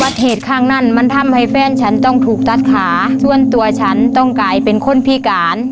เหตุข้างนั้นมันทำให้แฟนฉันต้องถูกตัดขาส่วนตัวฉันต้องกลายเป็นคนพิการ